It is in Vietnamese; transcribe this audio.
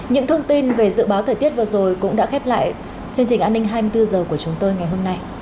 những thông tin về dự báo thời tiết vừa rồi cũng đã khép lại chương trình an ninh hai mươi bốn h của chúng tôi ngày hôm nay